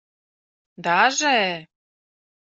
— Даже?..